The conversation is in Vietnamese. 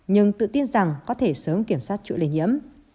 nhưng tự tin rằng có thể sớm kiểm soát chuỗi lây nhiễm